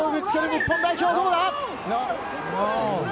日本代表、どうだ？